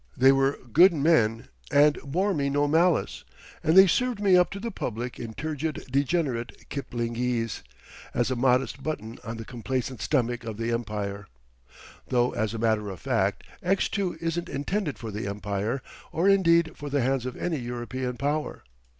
They were good men and bore me no malice, and they served me up to the public in turgid degenerate Kiplingese, as a modest button on the complacent stomach of the Empire. Though as a matter of fact, X2 isn't intended for the empire, or indeed for the hands of any European power.